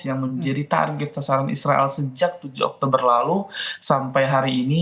yang menjadi target sasaran israel sejak tujuh oktober lalu sampai hari ini